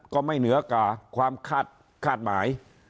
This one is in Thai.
ก็ไม่เหนือกว่าความคาดหมาย